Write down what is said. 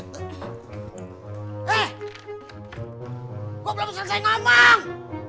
gue belum selesai ngomong